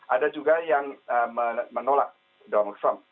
ada juga yang menolak donald trump